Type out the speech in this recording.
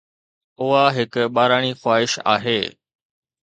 اها هڪ ٻاراڻي خواهش آهي.